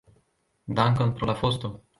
Dankon pro la fosto.